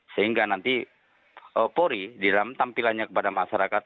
sehingga nanti polri di dalam tampilannya kepada masyarakat